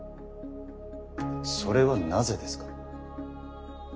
それはなぜですか？